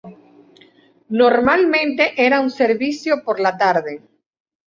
Normalmente era un servicio por la tarde.